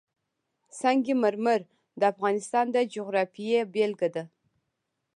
سنگ مرمر د افغانستان د جغرافیې بېلګه ده.